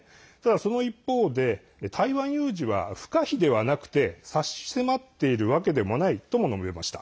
その一方で台湾有事は不可避ではなくて差し迫っているわけでもないと述べました。